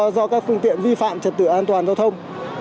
do các phương tiện vi phạm trật tự an toàn giao thông